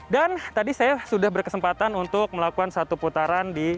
dan tadi saya sudah berkesempatan untuk melakukan satu putaran di sirkuit